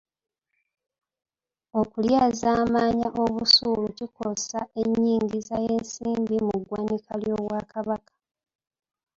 Okulyazaamaanya obusuulu kikosa ennyingiza y'ensimbi mu ggwanika ly’Obwakabaka.